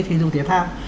thí dụng thể thao